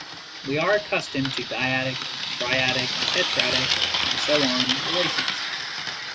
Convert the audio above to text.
We are accustomed to dyadic, triadic, tetradic ... relations.